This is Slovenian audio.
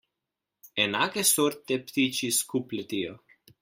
Enake sorte ptiči skup letijo.